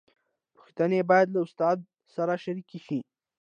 پوښتنې باید له استاد سره شریکې شي.